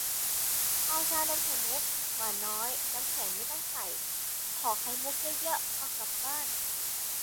เอาชานมไข่มุก หวานน้อย น้ำแข็งไม่ต้องใส่ ขอไข่มุกเยอะ ๆ เอากลับบ้าน